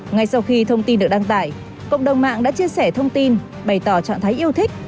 ngay sau khi thông tin được đăng tải cộng đồng mạng đã chia sẻ thông tin bày tỏ trạng thái yêu thích